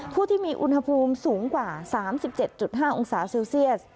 ผู้ที่มีอุณหภูมิสูงกว่า๓๗๕องศาเซลเซียส